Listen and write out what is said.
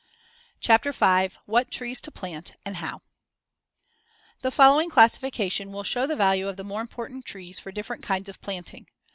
CHAPTER V WHAT TREES TO PLANT AND HOW The following classification will show the value of the more important trees for different kinds of planting.